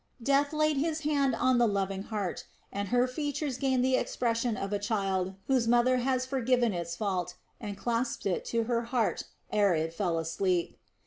Death laid his hand on the loving heart, and her features gained the expression of a child whose mother has forgiven its fault and clasped it to her heart ere it fell asleep.